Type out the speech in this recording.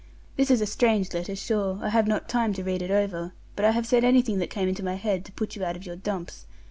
This is a strange letter, sure, I have not time to read it over, but I have said anything that came into my head to put you out of your dumps.